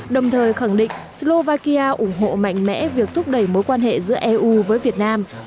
đồng thời khẳng định slovakia ủng hộ mạnh mẽ việc thúc đẩy mối quan hệ giữa eu với việt nam